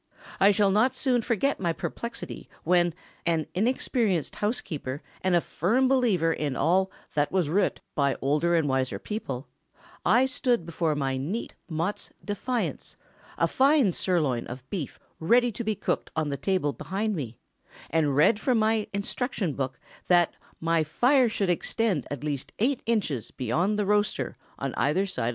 I shall not soon forget my perplexity when, an inexperienced housekeeper and a firm believer in all "that was writ" by older and wiser people, I stood before my neat Mott's "Defiance," a fine sirloin of beef ready to be cooked on the table behind me, and read from my Instruction book that my "fire should extend at least eight inches beyond the roaster on either side!"